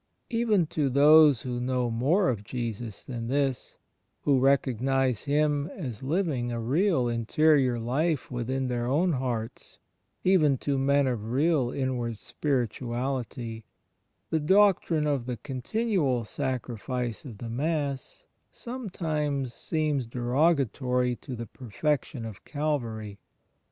Even to those who know more of Jesus than this — who recognize Him as living a real interior life within their own hearts — even to men of real inward spirituality, the doctrine of the continual Sacrifice of the Mass sometimes seems derogatory to the Perfection of Calvary.